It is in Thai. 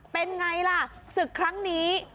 เป็นไงล่ะศึกครั้งนี้